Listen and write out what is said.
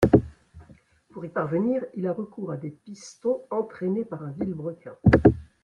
Pour y parvenir, il a recours à des pistons entraînés par un vilebrequin.